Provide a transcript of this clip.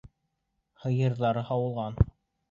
Һыйырҙары һыуалған.